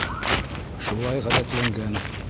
Шулай ғәҙәтләнгән.